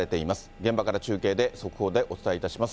現場から中継で、速報でお伝えいたします。